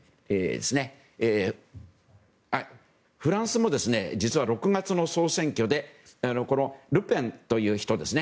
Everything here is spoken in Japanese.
フランスも実は６月の総選挙でルペンという人ですね。